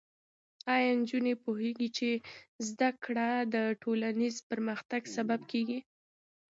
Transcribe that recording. ایا نجونې پوهېږي چې زده کړه د ټولنیز پرمختګ سبب کېږي؟